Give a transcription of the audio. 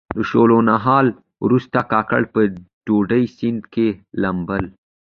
د شولو نهال وروسته کاکړ په ډډي سیند کې لامبل.